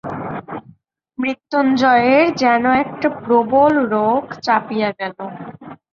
মৃত্যুঞ্জয়ের যেন একটা প্রলয়ের রোখ চাপিয়া গেল।